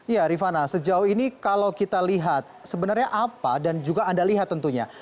ya rifana sejauh ini kalau kita lihat sebenarnya apa dan juga anda lihat tentunya